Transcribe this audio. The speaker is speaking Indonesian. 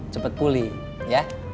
cepet pulih ya